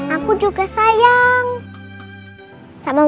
aku juga sayang sama mbak ibu